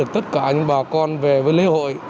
tất cả những bà con về với lễ hội